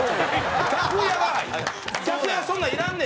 楽屋は楽屋はそんなんいらんねん。